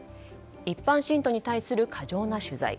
一般信徒に対する過剰な取材。